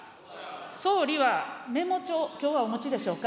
総理はメモ帳、きょうはお持ちでしょうか。